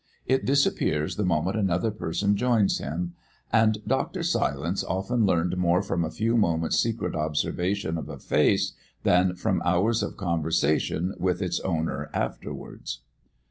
It disappears the moment another person joins him. And Dr. Silence often learned more from a few moments' secret observation of a face than from hours of conversation with its owner afterwards.